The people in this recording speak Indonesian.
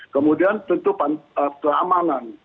kemudian tentu keamanan